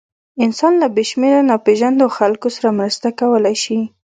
انسان له بېشمېره ناپېژاندو خلکو سره مرسته کولی شي.